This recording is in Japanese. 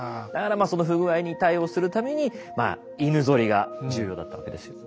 だからその不具合に対応するために犬ゾリが重要だったわけです。